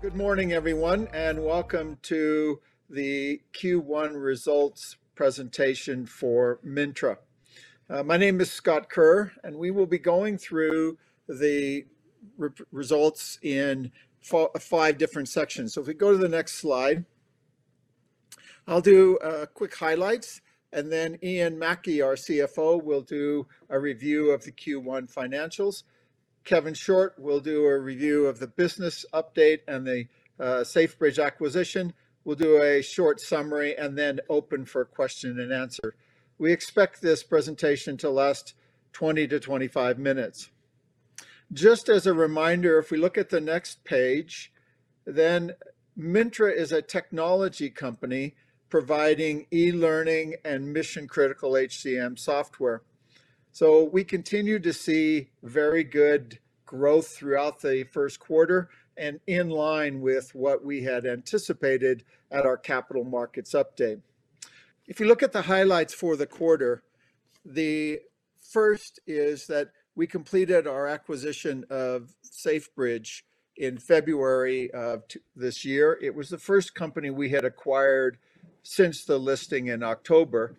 Good morning everyone, welcome to the Q1 results presentation for Mintra. My name is Scott Kerr, we will be going through the results in five different sections. If we go to the next slide, I'll do a quick highlights, and then Ian Mackie, our CFO, will do a review of the Q1 financials. Kevin Short will do a review of the business update and the Safebridge acquisition. We'll do a short summary and then open for question and answer. We expect this presentation to last 20-25 minutes. Just as a reminder, if we look at the next page, then Mintra is a technology company providing e-learning and mission-critical HCM software. We continue to see very good growth throughout the first quarter and in line with what we had anticipated at our Capital Markets Update. If you look at the highlights for the quarter, the first is that we completed our acquisition of Safebridge in February of this year. It was the first company we had acquired since the listing in October.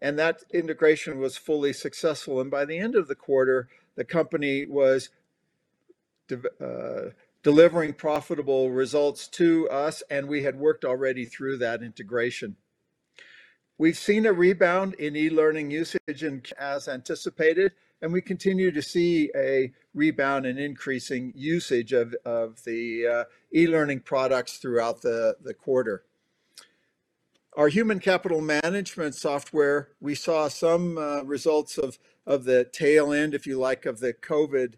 That integration was fully successful. By the end of the quarter, the company was delivering profitable results to us, and we had worked already through that integration. We've seen a rebound in e-learning usage as anticipated, and we continue to see a rebound in increasing usage of the e-learning products throughout the quarter. Our human capital management software, we saw some results of the tail end, if you like, of the COVID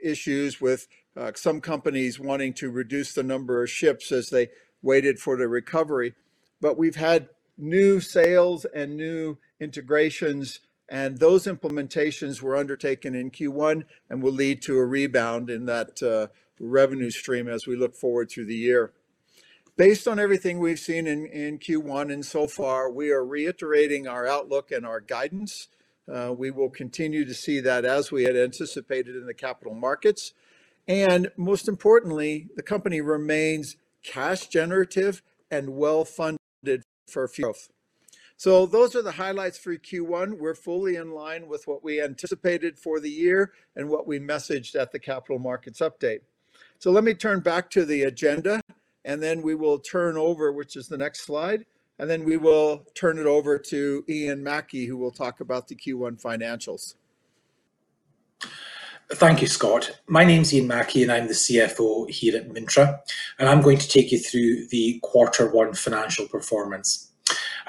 issues with some companies wanting to reduce the number of ships as they waited for the recovery. We've had new sales and new integrations, and those implementations were undertaken in Q1 and will lead to a rebound in that revenue stream as we look forward through the year. Based on everything we've seen in Q1 and so far, we are reiterating our outlook and our guidance. We will continue to see that as we had anticipated in the capital markets, and most importantly, the company remains cash generative and well-funded for growth. Those are the highlights for Q1. We're fully in line with what we anticipated for the year and what we messaged at the Capital Markets Update. Let me turn back to the agenda, and then we will turn over, which is the next slide, and then we will turn it over to Ian Mackie, who will talk about the Q1 financials. Thank you, Scott. My name's Ian Mackie, and I'm the CFO here at Mintra. I'm going to take you through the quarter one financial performance.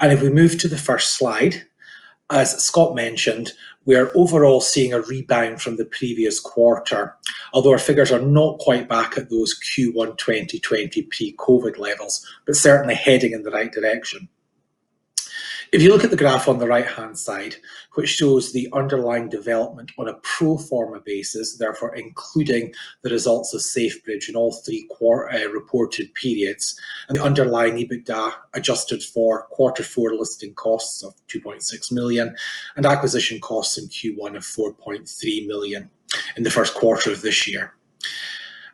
If we move to the first slide, as Scott mentioned, we are overall seeing a rebound from the previous quarter, although our figures are not quite back at those Q1 2020 pre-COVID levels, but certainly heading in the right direction. If you look at the graph on the right-hand side, which shows the underlying development on a pro forma basis, therefore including the results of Safebridge in all three reported periods, and underlying EBITDA adjusted for quarter four listing costs of 2.6 million and acquisition costs in Q1 of 4.3 million in the first quarter of this year.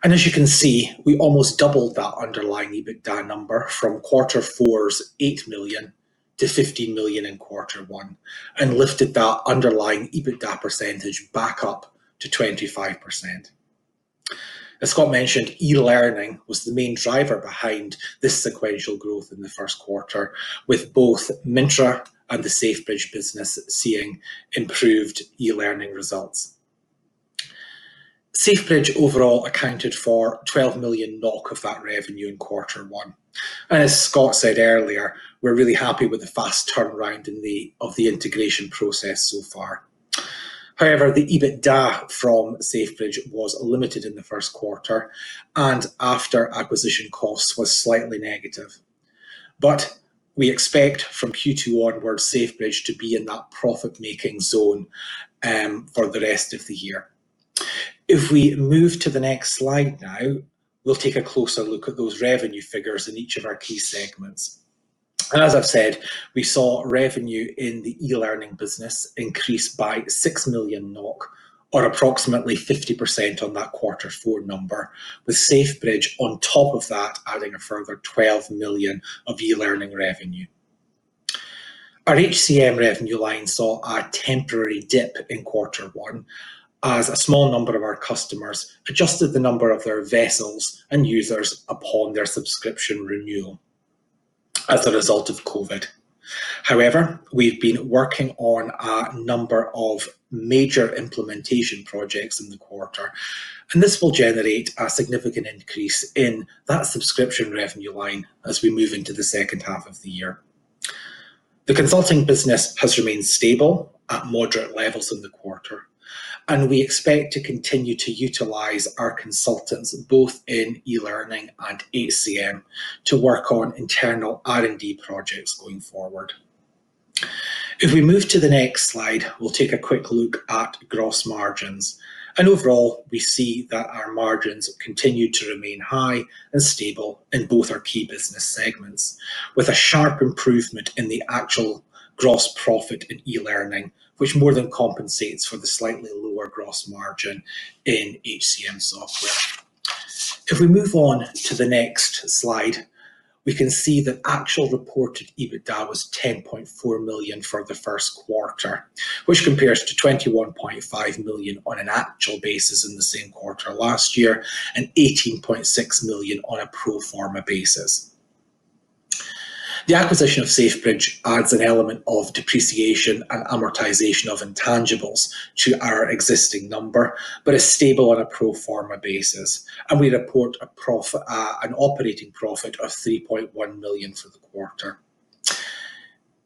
As you can see, we almost doubled that underlying EBITDA number from quarter four's 8 million to 15 million in quarter one and lifted that underlying EBITDA percentage back up to 25%. As Scott mentioned, e-learning was the main driver behind this sequential growth in the first quarter, with both Mintra and the Safebridge business seeing improved e-learning results. Safebridge overall accounted for 12 million NOK of that revenue in quarter one. As Scott said earlier, we're really happy with the fast turnaround of the integration process so far. However, the EBITDA from Safebridge was limited in the first quarter and after acquisition costs was slightly negative. We expect from Q2 onwards Safebridge to be in that profit-making zone for the rest of the year. If we move to the next slide now, we'll take a closer look at those revenue figures in each of our key segments. As I've said, we saw revenue in the e-learning business increase by 6 million NOK or approximately 50% on that quarter four number, with Safebridge on top of that, adding a further 12 million of e-learning revenue. Our HCM revenue line saw a temporary dip in quarter one as a small number of our customers adjusted the number of their vessels and users upon their subscription renewal as a result of COVID. We've been working on a number of major implementation projects in the quarter. This will generate a significant increase in that subscription revenue line as we move into the second half of the year. The consulting business has remained stable at moderate levels in the quarter, and we expect to continue to utilize our consultants both in e-learning and HCM to work on internal R&D projects going forward. If we move to the next slide, we'll take a quick look at gross margins. Overall, we see that our margins continue to remain high and stable in both our key business segments with a sharp improvement in the actual gross profit in e-learning, which more than compensates for the slightly lower gross margin in HCM software. If we move on to the next slide, we can see that actual reported EBITDA was 10.4 million for the first quarter, which compares to 21.5 million on an actual basis in the same quarter last year, and 18.6 million on a pro forma basis. The acquisition of Safebridge adds an element of depreciation and amortization of intangibles to our existing number, but is stable on a pro forma basis, we report an operating profit of 3.1 million for the quarter.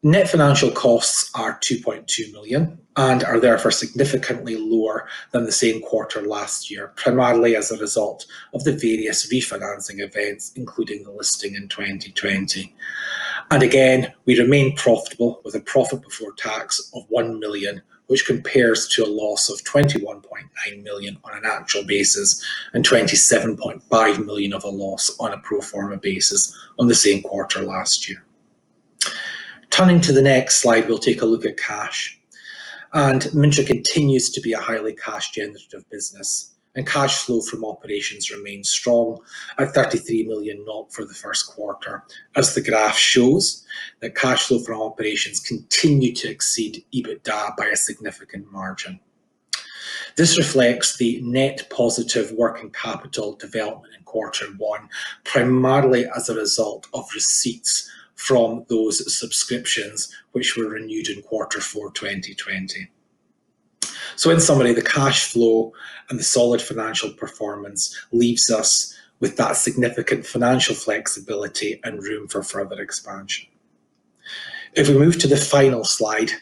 Net financial costs are 2.2 million and are therefore significantly lower than the same quarter last year, primarily as a result of the various refinancing events, including the listing in 2020. We remain profitable with a profit before tax of 1 million, which compares to a loss of 21.9 million on an actual basis and 27.5 million of a loss on a pro forma basis on the same quarter last year. Turning to the next slide, we'll take a look at cash. Mintra continues to be a highly cash generative business, and cash flow from operations remains strong at 33 million for the first quarter. As the graph shows, the cash flow from operations continue to exceed EBITDA by a significant margin. This reflects the net positive working capital development in quarter one, primarily as a result of receipts from those subscriptions which were renewed in quarter four 2020. In summary, the cash flow and the solid financial performance leaves us with that significant financial flexibility and room for further expansion. If we move to the final slide,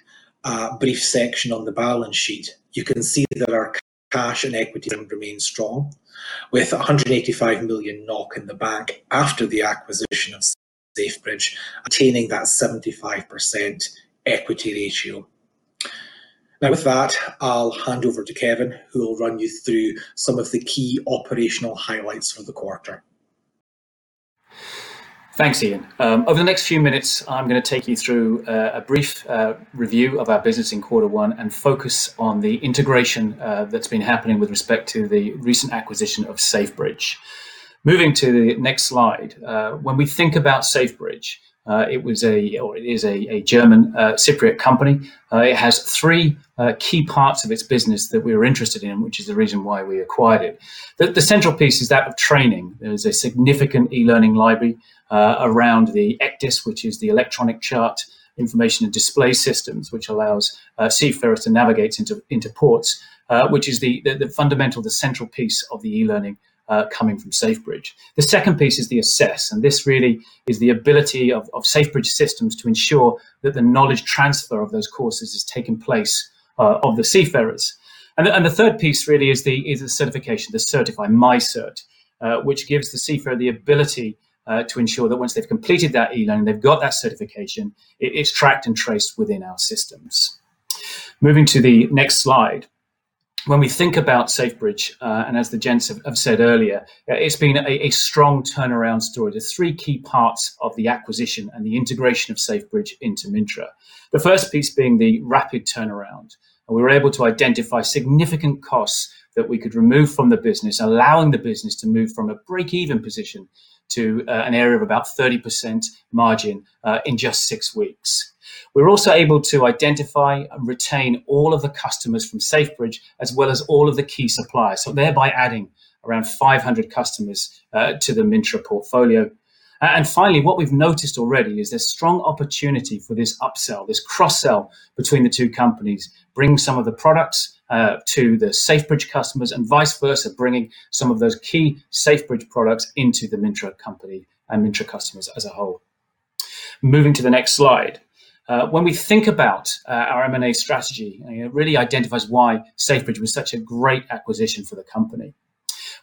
a brief section on the balance sheet. You can see that our cash and equity have remained strong with 185 million NOK in the bank after the acquisition of Safebridge, attaining that 75% equity ratio. Now, with that, I'll hand over to Kevin, who will run you through some of the key operational highlights for the quarter. Thanks, Ian. Over the next few minutes, I'm going to take you through a brief review of our business in quarter one and focus on the integration that's been happening with respect to the recent acquisition of Safebridge. Moving to the next slide. When we think about Safebridge, it is a German, Cypriot company. It has three key parts of its business that we're interested in, which is the reason why we acquired it. The central piece is that of training. There is a significant e-learning library around the ECDIS, which is the Electronic Chart Display and Information System, which allows seafarers to navigate into ports, which is the fundamental, the central piece of the e-learning coming from Safebridge. The second piece is the assess, and this really is the ability of Safebridge systems to ensure that the knowledge transfer of those courses has taken place of the seafarers. The third piece really is the certification, the certify, myCert, which gives the seafarer the ability to ensure that once they've completed that e-learning, they've got that certification, it's tracked and traced within our systems. Moving to the next slide. When we think about Safebridge, and as the gents have said earlier, it's been a strong turnaround story. There's three key parts of the acquisition and the integration of Safebridge into Mintra. The first piece being the rapid turnaround. We were able to identify significant costs that we could remove from the business, allowing the business to move from a break-even position to an area of about 30% margin in just six weeks. We were also able to identify and retain all of the customers from Safebridge as well as all of the key suppliers, so thereby adding around 500 customers to the Mintra portfolio. Finally, what we've noticed already is there's strong opportunity for this upsell, this cross-sell between the two companies. Bring some of the products to the Safebridge customers and vice versa, bringing some of those key Safebridge products into the Mintra company and Mintra customers as a whole. Moving to the next slide. When we think about our M&A strategy, it really identifies why Safebridge was such a great acquisition for the company.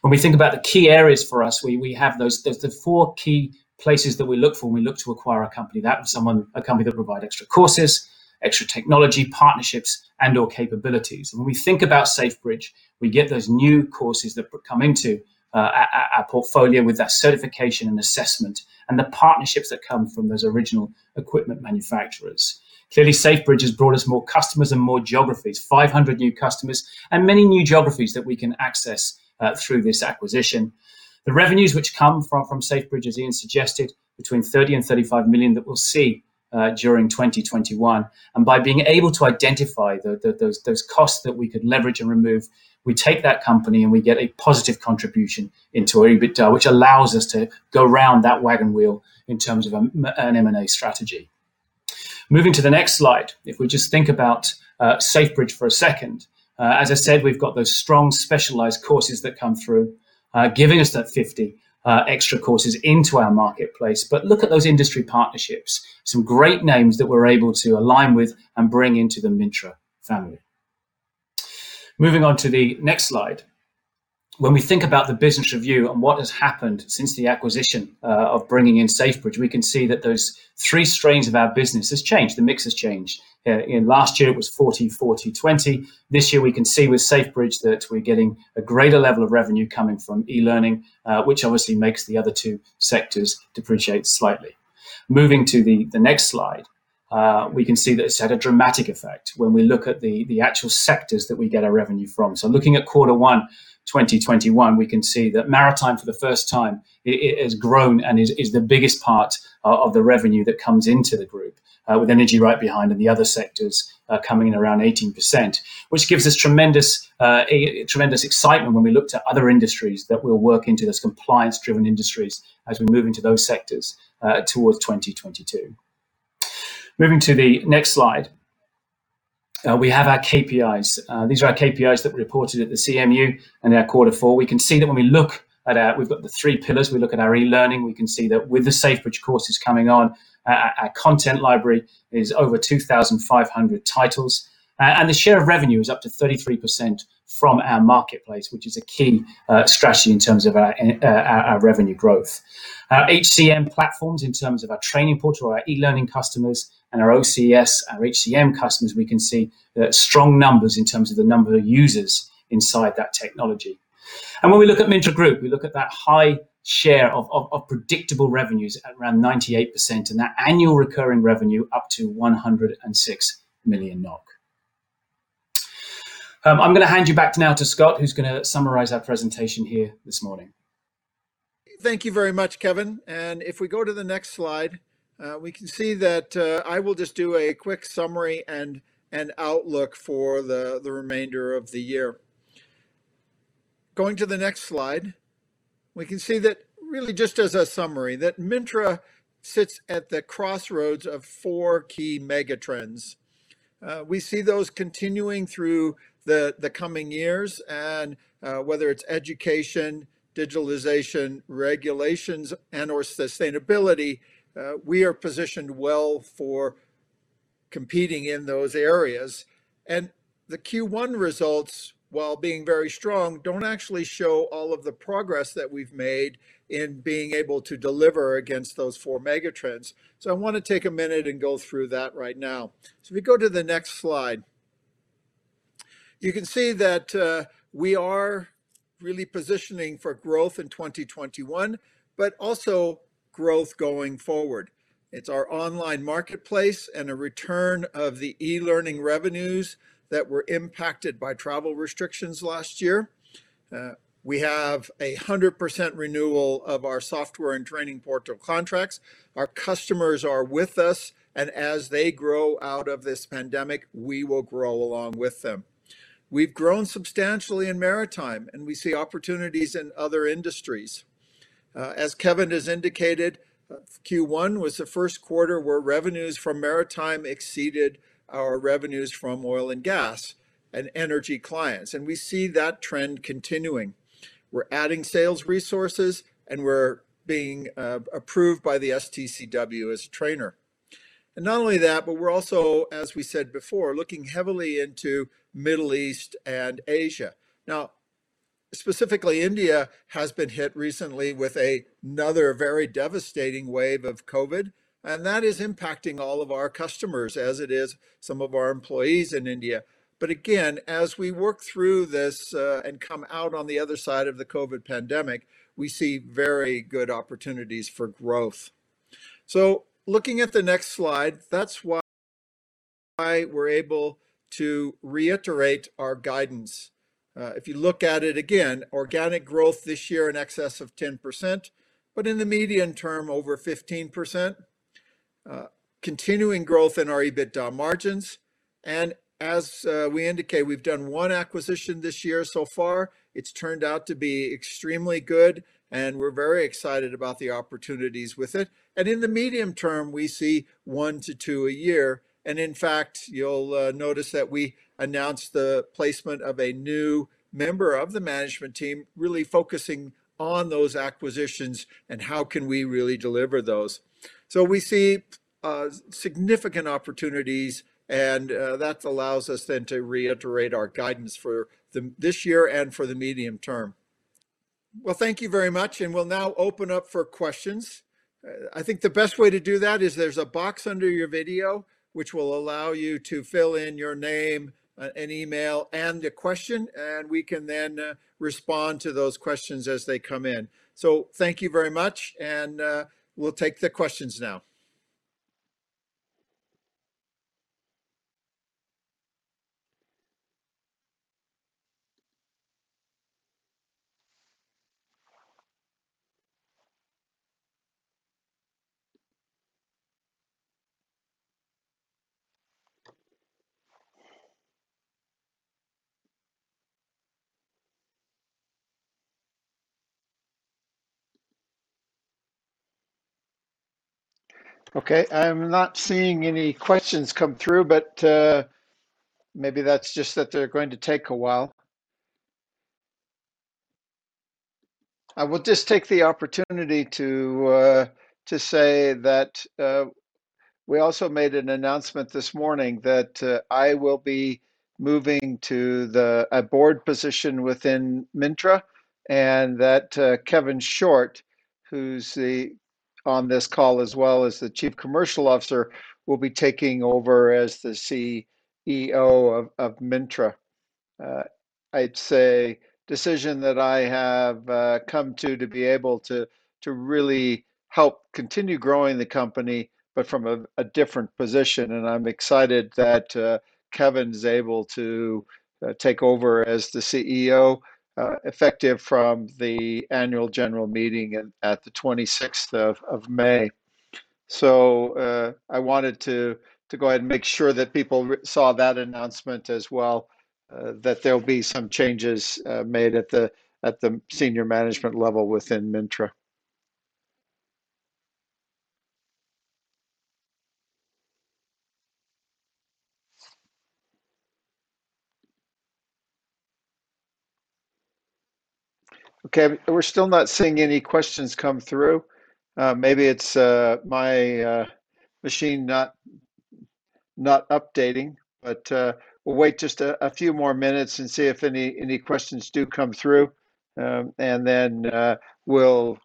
When we think about the key areas for us, there's the four key places that we look for when we look to acquire a company. That of a company that will provide extra courses, extra technology, partnerships, and/or capabilities. When we think about Safebridge, we get those new courses that come into our portfolio with that certification and assessment and the partnerships that come from those original equipment manufacturers. Clearly, Safebridge has brought us more customers and more geographies, 500 new customers and many new geographies that we can access through this acquisition. The revenues which come from Safebridge, as Ian suggested, between 30 million and 35 million that we'll see during 2021. By being able to identify those costs that we could leverage and remove, we take that company, and we get a positive contribution into our EBITDA, which allows us to go round that wagon wheel in terms of an M&A strategy. Moving to the next slide. If we just think about Safebridge for a second. As I said, we've got those strong, specialized courses that come through, giving us that 50 extra courses into our Marketplace. Look at those industry partnerships, some great names that we're able to align with and bring into the Mintra family. Moving on to the next slide. When we think about the business review and what has happened since the acquisition of bringing in Safebridge, we can see that those three strains of our business has changed. The mix has changed. Last year, it was 40/40/20. This year, we can see with Safebridge that we're getting a greater level of revenue coming from e-learning, which obviously makes the other two sectors depreciate slightly. Moving to the next slide. We can see that it's had a dramatic effect when we look at the actual sectors that we get our revenue from. Looking at quarter one 2021, we can see that maritime, for the first time, has grown and is the biggest part of the revenue that comes into the group, with energy right behind and the other sectors coming in around 18%. Which gives us tremendous excitement when we look to other industries that we'll work into, those compliance-driven industries, as we move into those sectors towards 2022. Moving to the next slide. We have our KPIs. These are our KPIs that we reported at the CMU and our quarter four. We can see that we've got the three pillars. We look at our e-learning. We can see that with the Safebridge courses coming on, our content library is over 2,500 titles. The share of revenue is up to 33% from our Marketplace, which is a key strategy in terms of our revenue growth. Our HCM platforms in terms of our Trainingportal, our e-learning customers, and our OCS, our HCM customers, we can see strong numbers in terms of the number of users inside that technology. When we look at Mintra Group, we look at that high share of predictable revenues at around 98%, and that annual recurring revenue up to 106 million NOK. I'm going to hand you back now to Scott, who's going to summarize our presentation here this morning. Thank you very much, Kevin. If we go to the next slide, we can see that I will just do a quick summary and outlook for the remainder of the year. Going to the next slide. We can see that really just as a summary, that Mintra sits at the crossroads of four key mega trends. We see those continuing through the coming years, whether it's education, digitalization, regulations, and/or sustainability, we are positioned well for competing in those areas. The Q1 results, while being very strong, don't actually show all of the progress that we've made in being able to deliver against those four mega trends. I want to take a minute and go through that right now. We go to the next slide. You can see that we are really positioning for growth in 2021, but also growth going forward. It's our online Marketplace and a return of the e-learning revenues that were impacted by travel restrictions last year. We have 100% renewal of our software and Trainingportal contracts. Our customers are with us, and as they grow out of this pandemic, we will grow along with them. We've grown substantially in maritime, and we see opportunities in other industries. As Kevin has indicated, Q1 was the first quarter where revenues from maritime exceeded our revenues from oil and gas and energy clients, and we see that trend continuing. We're adding sales resources, and we're being approved by the STCW as a trainer. Not only that, but we're also, as we said before, looking heavily into Middle East and Asia. Specifically, India has been hit recently with another very devastating wave of COVID, and that is impacting all of our customers, as it is some of our employees in India. Again, as we work through this and come out on the other side of the COVID pandemic, we see very good opportunities for growth. Looking at the next slide, that's why we're able to reiterate our guidance. If you look at it again, organic growth this year in excess of 10%, but in the medium term, over 15%. Continuing growth in our EBITDA margins. As we indicate, we've done one acquisition this year so far. It's turned out to be extremely good, and we're very excited about the opportunities with it. In the medium term, we see one to two a year. You'll notice that we announced the placement of a new member of the management team really focusing on those acquisitions and how can we really deliver those. We see significant opportunities, and that allows us then to reiterate our guidance for this year and for the medium term. Thank you very much, and we'll now open up for questions. I think the best way to do that is there's a box under your video which will allow you to fill in your name and email and a question, and we can then respond to those questions as they come in. Thank you very much, and we'll take the questions now. I'm not seeing any questions come through, but maybe that's just that they're going to take a while. I will just take the opportunity to say that we also made an announcement this morning that I will be moving to a board position within Mintra and that Kevin Short, who's on this call as well as the Chief Commercial Officer, will be taking over as the CEO of Mintra. I'd say decision that I have come to be able to really help continue growing the company, but from a different position, and I'm excited that Kevin's able to take over as the CEO, effective from the annual general meeting at the 26th of May. I wanted to go ahead and make sure that people saw that announcement as well, that there'll be some changes made at the senior management level within Mintra. Okay. We're still not seeing any questions come through. Maybe it's my machine not updating. We'll wait just a few more minutes and see if any questions do come through, and then we'll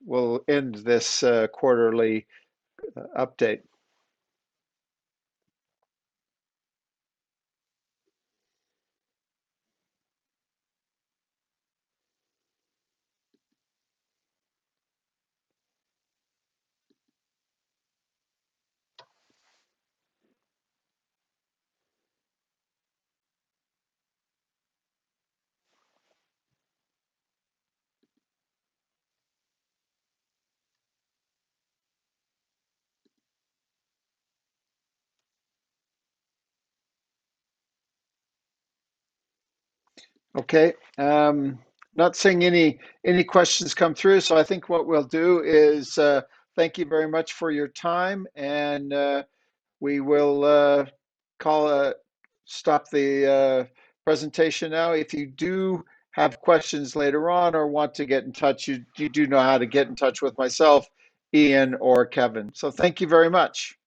end this quarterly update. Okay. Not seeing any questions come through, so I think what we'll do is thank you very much for your time, and we will stop the presentation now. If you do have questions later on or want to get in touch, you do know how to get in touch with myself, Ian, or Kevin. Thank you very much.